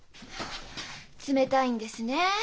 冷たいんですねえ。